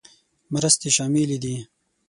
مرستې شاملې دي.